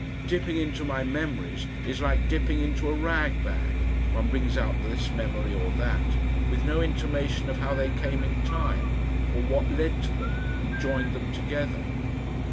Dipping into my memories is like dipping into a ragbag, one brings out this memory or that, with no intimation of how they came in time or what led to them and joined them together.